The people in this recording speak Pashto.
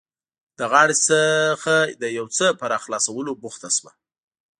له غاړې څخه د یو څه په راخلاصولو بوخته شوه.